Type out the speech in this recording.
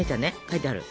書いてある。